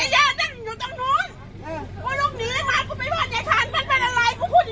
พี่โอมบันพีทหรอกูรู้ขึ้นมามันพีทหรอไม่คิดกับมึงลูกก็ไม่ลูก